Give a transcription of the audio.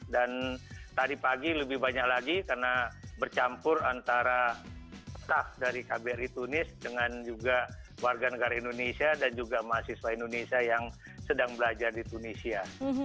dan tadi pagi lebih banyak lagi karena bercampur antara staff dari kbri tunis dengan juga warga negara indonesia dan juga mahasiswa indonesia yang sedang belajar di tunisia